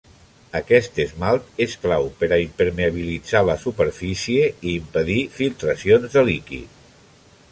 Aquest esmalt és clau per a impermeabilitzar la superfície i impedir filtracions de líquid.